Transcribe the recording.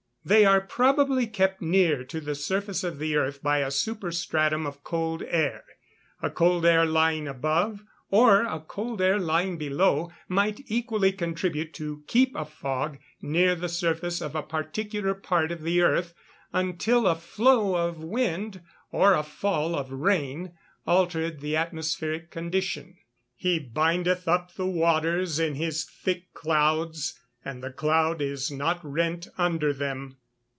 _ They are probably kept near to the surface of the earth by a superstratum of cold air. A cold air lying above, or a cold air lying below, might equally contribute to keep a fog near the surface of a particular part of the earth, until a flow of wind, or a fall of rain, altered the atmospheric condition. [Verse: "He bindeth up the waters in his thick clouds; and the cloud is not rent under them."